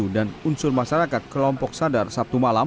dan unsur masyarakat kelompok sadar sabtu malam